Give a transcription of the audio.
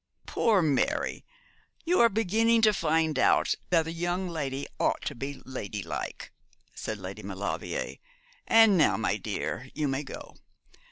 'Poor Mary, you are beginning to find out that a young lady ought to be ladylike,' said Lady Maulevrier; 'and now, my dear, you may go.